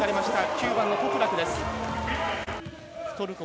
９番のトプラクです。